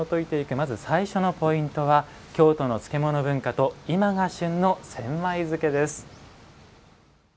まず最初のポイントは「京都の漬物文化と今が旬の千枚漬」です。